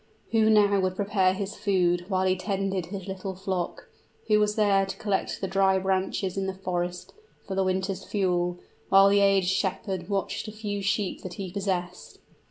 Who now would prepare his food, while he tended his little flock? who was there to collect the dry branches in the forest, for the winter's fuel, while the aged shepherd watched a few sheep that he possessed?